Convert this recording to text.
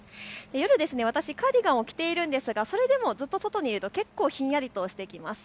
夜、私カーディガンを着ているんですがそれでもずっと外にいると結構ひんやりとしてきます。